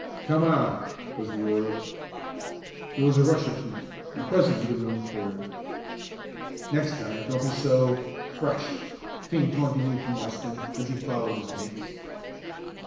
"Come on!" was the order. There was a rush of feet, and presently the room cleared. "Next time don't be so fresh!" came tauntingly from Weston, as he followed his mates.